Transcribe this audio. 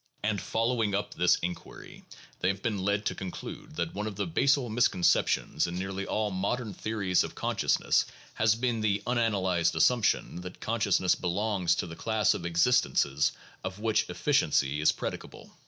And following up this inquiry, they have been led to conclude that one of the basal misconceptions in nearly all modern theories of consciousness has been the unanalyzed assumption that con sciousness belongs to the class of existences of which efficiency is predicable.